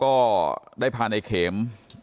ก็ได้พาในเข็ม